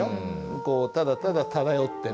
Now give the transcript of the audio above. こうただただ漂ってる。